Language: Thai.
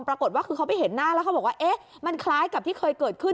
ปรากฏว่าคือเขาไปเห็นหน้าแล้วเขาบอกว่าเอ๊ะมันคล้ายกับที่เคยเกิดขึ้น